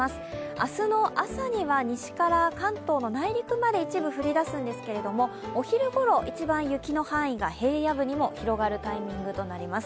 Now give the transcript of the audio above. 明日の朝には西から関東の内陸まで一部降り出すんですけれども、お昼ごろ、一番雪の範囲が平野部にも広がるタイミングとなります。